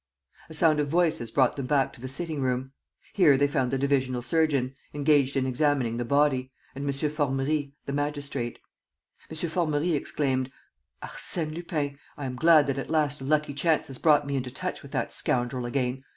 A sound of voices brought them back to the sitting room. Here they found the divisional surgeon, engaged in examining the body, and M. Formerie, the magistrate. M. Formerie exclaimed: "Arsène Lupin! I am glad that at last a lucky chance has brought me into touch with that scoundrel again!